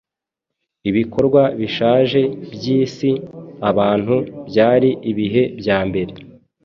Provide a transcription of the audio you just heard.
Ibikorwa bishaje byisi-abantu byari ibihe byambere